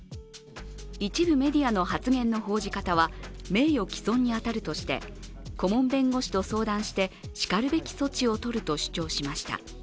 一部メディアの発言の報じ方は名誉毀損に当たるとして顧問弁護士と相談してしかるべき措置をとると主張しました。